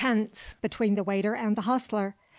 between the waiter and Hostler.